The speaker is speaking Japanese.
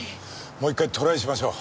もう一回トライしましょう。